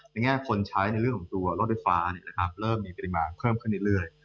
แง่คนใช้ในเรื่องของตัวรถไฟฟ้าเริ่มมีปริมาณเพิ่มขึ้นเรื่อย